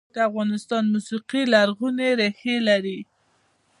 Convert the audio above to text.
د افغانستان موسیقي لرغونې ریښې لري